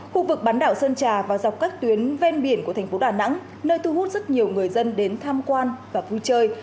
khu vực bán đảo sơn trà và dọc các tuyến ven biển của thành phố đà nẵng nơi thu hút rất nhiều người dân đến tham quan và vui chơi